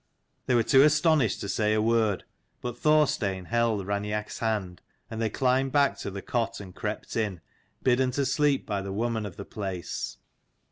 They were too astonished to say a word, but Thorstein held Raineach's hand, and they climbed back to the cot, and crept in, bidden to sleep by the woman of the place.